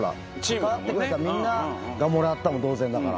関わってくれたみんながもらったも同然だから。